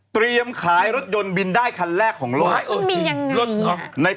เตรียมขายรถยนต์บินได้คันแรกของลูก